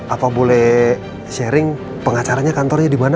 apa boleh sharing pengacaranya kantornya di mana